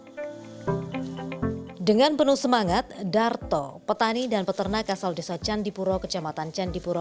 hai dengan penuh semangat darto petani dan peternak asal desa candipuro kecamatan candipuro